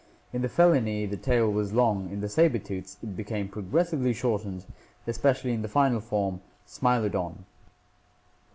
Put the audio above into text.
In the Felinae the tail was long, in the saber tooths it became progres sively shortened, especially in the final form, Smilodon.